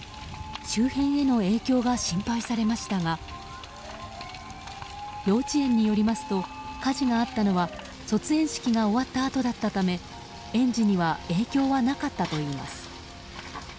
周辺への影響が心配されましたが幼稚園によりますと火事があったのは卒園式が終わったあとだったため園児には影響はなかったといいます。